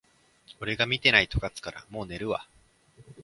俺が見てないと勝つから、もう寝るわ